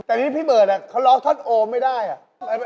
แต่ที่พี่เบิร์ทเขาร้องทอดโอมผลไม่ได้